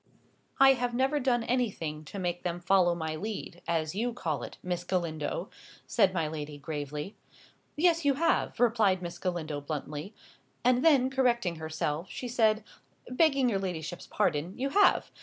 "I have never done anything to make them follow my lead, as you call it, Miss Galindo," said my lady, gravely. "Yes, you have," replied Miss Galindo, bluntly. And then, correcting herself, she said, "Begging your ladyship's pardon, you have.